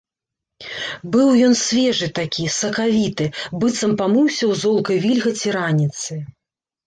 Быў ён свежы такі, сакавіты, быццам памыўся ў золкай вільгаці раніцы.